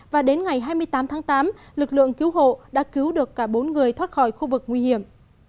và đến ngày hai mươi tám tháng tám lực lượng cứu hộ đã cứu được cả bốn người thoát khỏi khu vực nguy hiểm